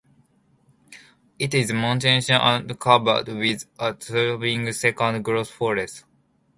It is mountainous and covered with a thriving second growth forest.